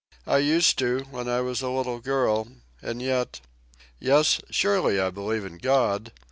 I used to when I was a little girl. And yet ... yes, surely I believe in God.